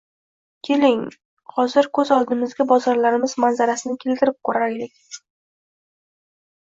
keling hozir ko‘z oldimizga bozorlarimiz manzarasini keltirib ko‘raylik.